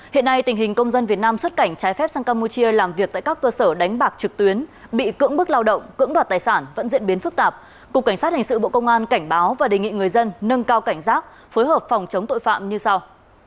hiện nay tình hình công dân việt nam xuất cảnh trái phép sang campuchia làm việc tại các cơ sở đánh bạc trực tuyến bị cưỡng bức lao động cưỡng đoạt tài sản vẫn diễn biến phức tạp cục cảnh sát hình sự bộ công an cảnh báo và đề nghị người dân nâng cao cảnh giác phối hợp phòng chống tội phạm như sau